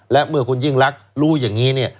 และเมื่อคุณยิ่งรักรู้อย่างนี้เนี่ย